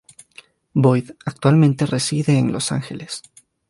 Boyd actualmente reside en Los Angeles.